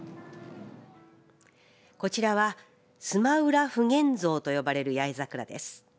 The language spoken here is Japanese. こちらは須磨浦普賢象と呼ばれる八重桜です。